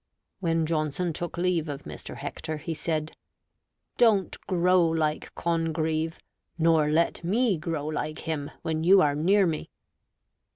When Johnson took leave of Mr. Hector, he said, "Don't grow like Congreve; nor let me grow like him, when you are near me."